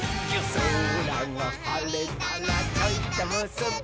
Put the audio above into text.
「そらがはれたらちょいとむすび」